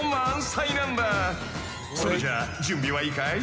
それじゃ準備はいいかい？